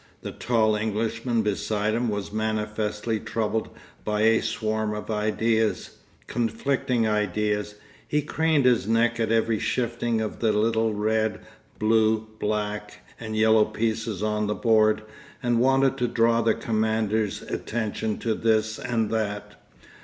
The tall Englishman beside him was manifestly troubled by a swarm of ideas, conflicting ideas; he craned his neck at every shifting of the little red, blue, black, and yellow pieces on the board, and wanted to draw the commander's attention to this and that.